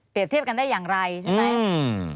เทียบกันได้อย่างไรใช่ไหม